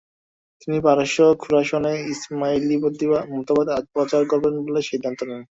তিনি পারস্য, খোরাসানে ইসমাইলি মতবাদ প্রচার করবেন বলে সিদ্ধান্ত নেন।